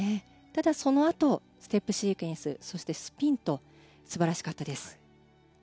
ただ、そのあとステップシークエンスそしてスピンと素晴らしかったです。